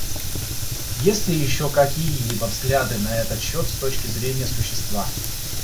Есть ли еще какие-либо взгляды на этот счет с точки зрения существа?